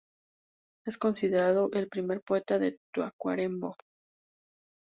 Es considerado el primer poeta de Tacuarembó.